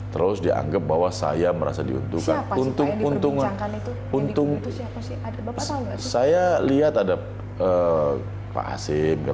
terus dianggap bahwa saya merasa diuntungkan untung untungan untung saya lihat ada pak asim